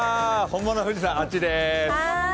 本物の富士山はあっちでーす。